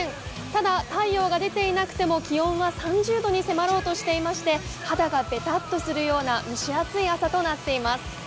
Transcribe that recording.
ただ、太陽が出ていなくても気温は３０度に迫ろうとしていまして、肌がべたっとするような蒸し暑い朝となっています。